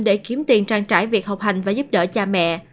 để kiếm tiền trang trải việc học hành và giúp đỡ cha mẹ